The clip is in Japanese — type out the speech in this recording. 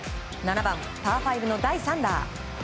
７番、パー５の第３打。